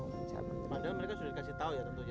padahal mereka sudah dikasih tahu ya tentu saja